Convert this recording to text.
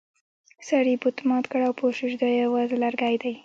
سړي بت مات کړ او پوه شو چې دا یوازې لرګی دی.